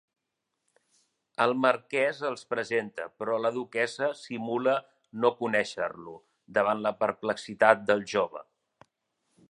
El marquès els presenta, però la duquessa simula no conèixer-lo, davant la perplexitat del jove.